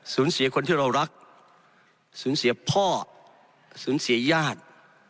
เสียคนที่เรารักสูญเสียพ่อสูญเสียญาติ